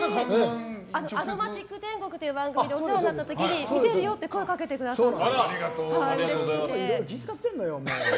「アド街ック天国」という番組でお世話になった時に見てるよって声をかけてくださって。